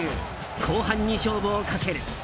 後半に勝負をかける。